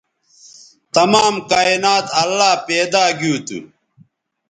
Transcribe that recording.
تمام کائنات اللہ پیدا گیو تھو